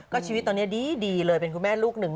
ก็ชีวิตตอนนี้ดีเลยเป็นคุณแม่ลูกหนึ่ง